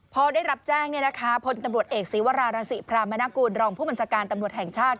พอได้รับแจ้งพลตำรวจเอกศีวรารังศิพรามนากูลรองผู้บัญชาการตำรวจแห่งชาติ